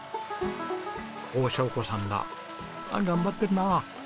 おお晶子さんだ。頑張ってるなあ！